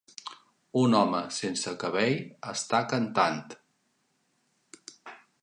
Un home sense cabell està cantant.